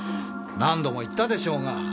何度も言ったでしょうが。